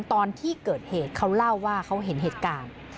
ตอนที่เกิดเหตุเขาเล่าว่าเขาเห็นเหตุการณ์